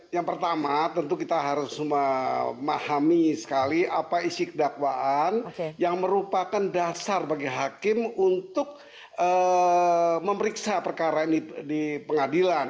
yang pertama tentu kita harus memahami sekali apa isi kedakwaan yang merupakan dasar bagi hakim untuk memeriksa perkara ini di pengadilan